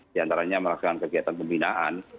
di antaranya melaksanakan kegiatan pembinaan